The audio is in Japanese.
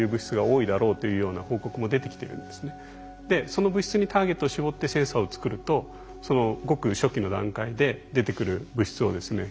その物質にターゲットを絞ってセンサーを作るとごく初期の段階で出てくる物質をですね